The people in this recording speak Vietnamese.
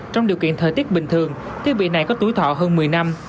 trong điều kiện thời tiết bình thường thiết bị này có tuổi thọ hơn một mươi năm